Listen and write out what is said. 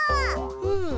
うん。